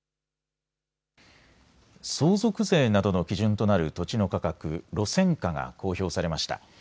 相続税などの基準となる土地の価格、路線価が公表されました。